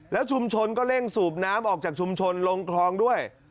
แล้วชุมชนก็เร่งสูบน้ำออกจากชุมชนลงคลองด้วย